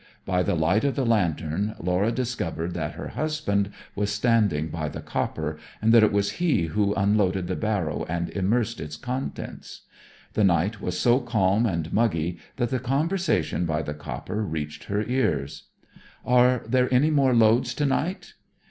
By the light of the lanterns Laura discovered that her husband was standing by the copper, and that it was he who unloaded the barrow and immersed its contents. The night was so calm and muggy that the conversation by the copper reached her ears. 'Are there many more loads to night?'